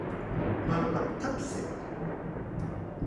นอนหลับทับสิทธิ์